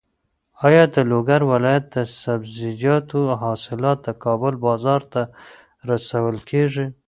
ایا د لوګر ولایت د سبزیجاتو حاصلات د کابل بازار ته رسول کېږي؟